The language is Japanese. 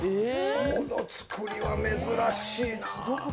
この造りは珍しいな。